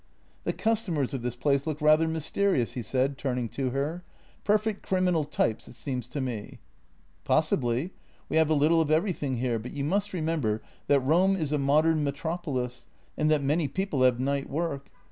" The customers of this place look rather mysterious," he said, turning to her. "Perfect criminal types, it seems to me." ." Possibly — we have a little of everything here, but you must remember that Rome is a modem metropolis and that many people have night work.